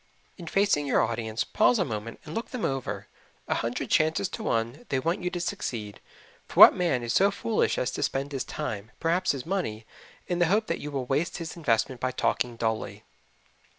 In facing your audience, pause a moment and look them over a hundred chances to one they want you to succeed, for what man is so foolish as to spend his time, perhaps his money, in the hope that you will waste his investment by talking dully?